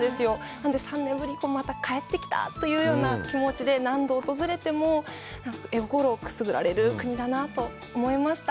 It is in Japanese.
なので、３年ぶりにまた帰ってきたというような気持ちで、何度訪れても絵心をくすぐられる国だなと思いました。